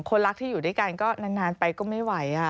คนรักที่อยู่ด้วยกันก็นานไปก็ไม่ไหว